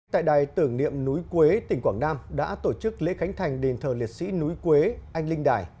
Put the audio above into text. tại đài tưởng niệm núi quế tỉnh quảng nam đã tổ chức lễ khánh thành đền thờ liệt sĩ núi quế anh linh đài